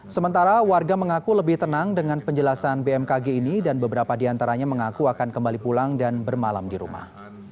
sementara warga mengaku lebih tenang dengan penjelasan bmkg ini dan beberapa diantaranya mengaku akan kembali pulang dan bermalam di rumah